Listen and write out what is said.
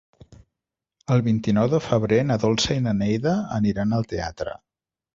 El vint-i-nou de febrer na Dolça i na Neida aniran al teatre.